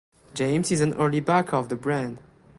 James is an early backer of the brand.